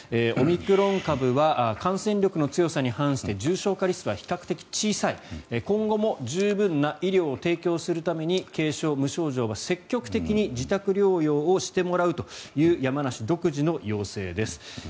オミクロン株は感染力の強さに反して重症化リスクは比較的小さい今後も十分な医療を提供するために軽症・無症状は積極的に自宅療養をしてもらうという山梨独自の要請です。